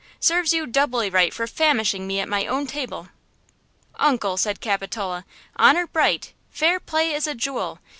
–serves you doubly right for famishing me at my own table!" "Uncle!" said Capitola, " 'Honor bright! Fair play is a jewel!'